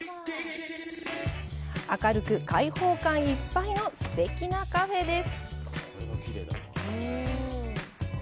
明るく開放感いっぱいのすてきなカフェです。